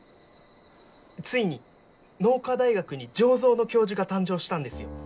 ついに農科大学に醸造の教授が誕生したんですよ。